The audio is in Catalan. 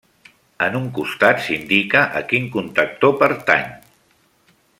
En un costat s'indica a quin contactor pertany.